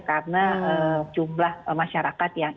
karena jumlah masyarakat yang